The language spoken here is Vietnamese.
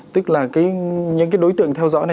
tức là những cái đối tượng theo dõi này